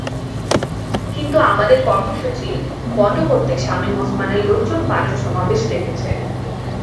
কিন্তু আমাদের কর্মসূচি পণ্ড করতে শামীম ওসমানের লোকজন পাল্টা সমাবেশ ডেকেছে।